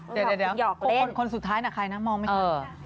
เดี๋ยวคนสุดท้ายนะใครนะมองไม่ชัด